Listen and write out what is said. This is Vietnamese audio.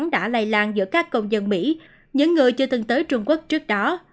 sẽ xảy ra ở đài loan giữa các công dân mỹ những người chưa từng tới trung quốc trước đó